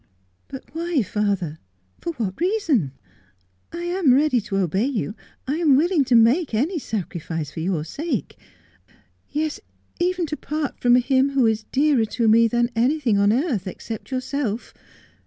' But why, father 1 for what reason 1 I am ready to obey you I am willing to make any sacrifice for your sake. Yes, even to part from him who is dearer to me than anything on earth except yourself.